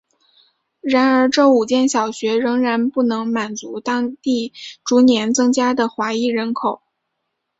然而这五间小学仍然不能满足当地逐年增加的华裔人口。